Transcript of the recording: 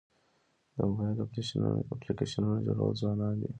د موبایل اپلیکیشنونو جوړونکي ځوانان دي.